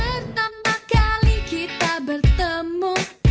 pertama kali kita bertemu